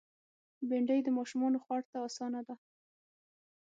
بېنډۍ د ماشومو خوړ ته آسانه ده